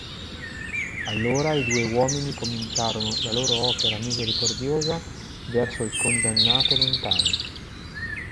Allora i due uomini cominciarono la loro opera misericordiosa verso il condannato lontano.